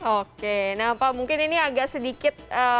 oke nah pak mungkin ini agak sedikit